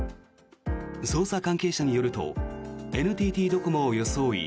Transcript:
捜査関係者によるとＮＴＴドコモを装い